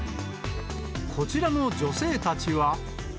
こちらの女性たちは。